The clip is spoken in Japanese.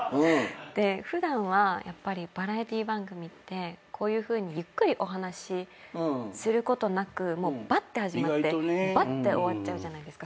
普段はバラエティー番組ってこういうふうにゆっくりお話しすることなくばって始まってばって終わっちゃうじゃないですか。